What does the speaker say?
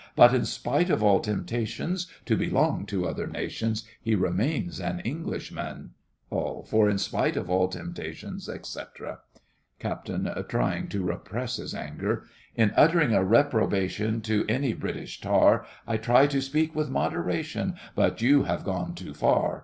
But in spite of all temptations To belong to other nations, He remains an Englishman! ALL. For in spite of all temptations, etc. CAPT. (trying to repress his anger). In uttering a reprobation To any British tar, I try to speak with moderation, But you have gone too far.